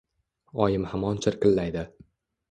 Oyim hamon chirqillaydi.